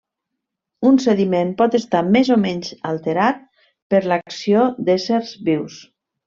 Un sediment pot estar més o menys alterat per l'acció d'éssers vius.